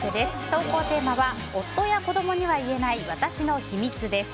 投稿テーマは、夫や子どもには言えない私の秘密です。